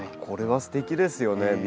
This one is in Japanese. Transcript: これはすてきですよね。